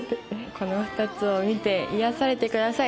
この２つを見て癒やされてください。